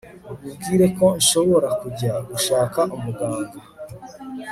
mubwira ko nshobora kujya gushaka umuganga